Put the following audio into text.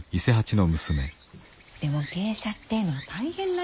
でも芸者ってえのは大変だよ。